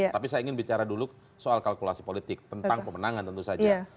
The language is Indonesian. tapi saya ingin bicara dulu soal kalkulasi politik tentang pemenangan tentu saja